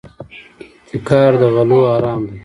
احتکار د غلو حرام دی.